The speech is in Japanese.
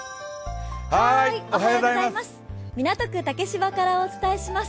港区竹芝からお伝えします。